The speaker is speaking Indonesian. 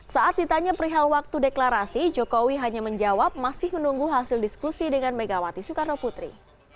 saat ditanya perihal waktu deklarasi jokowi hanya menjawab masih menunggu hasil diskusi dengan megawati soekarno putri